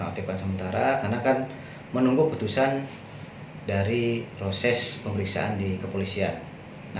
karena menunggu keputusan dari proses pemeriksaan di kepolisian